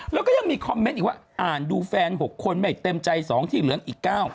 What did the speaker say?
แล้วก็ยังมีคอมเมนต์อีกว่าอ่านดูแฟน๖คนไม่เต็มใจ๒ที่เหลืองอีก๙